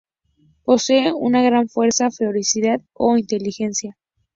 Posee una gran fuerza, ferocidad e inteligencia.